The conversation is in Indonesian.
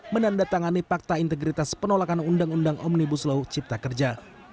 menandatangani fakta integritas penolakan undang undang omnibus law cipta kerja